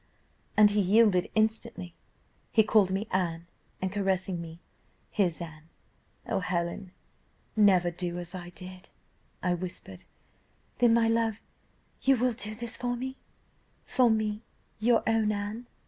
"And he yielded instantly, he called me Anne, and caressing me, 'his Anne.' 'O Helen! never do as I did.' I whispered, 'Then, my love, you will do this for me for me, your own Anne?